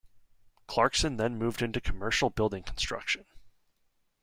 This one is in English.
Clarkson then moved into commercial building construction.